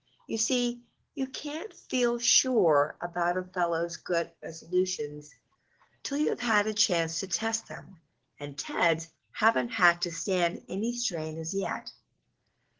You see, you can't feel sure about a fellow's good resolutions till you have had a chance to test them, and Ted's haven't had to stand any strain as yet."